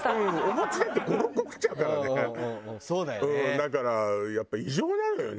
だからやっぱ異常なのよね